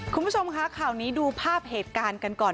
คุณผู้ชมคะข่าวนี้ดูภาพเหตุการณ์กันก่อน